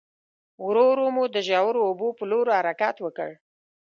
ورو ورو مو د ژورو اوبو په لور حرکت وکړ.